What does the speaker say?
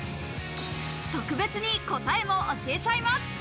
特別に答えも教えちゃいます。